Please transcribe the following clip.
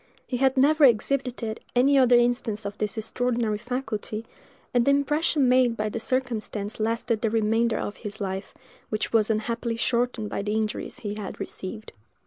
He had never exhibited any other instance of this extraordinary faculty, and the impression made by the circumstance lasted the remainder of his life, which was unhappily shortened by the injuries he had received.